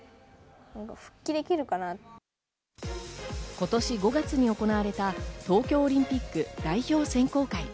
今年５月に行われた東京オリンピック代表選考会。